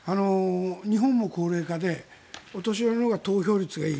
日本も高齢化でお年寄りのほうが投票率がいい。